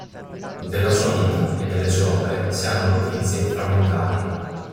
Della sua vita e delle sue opere si hanno notizie frammentarie.